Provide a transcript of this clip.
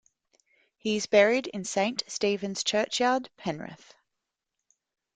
He is buried in Saint Stephen's churchyard, Penrith.